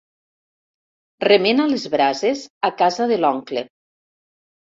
Remena les brases a casa de l'oncle.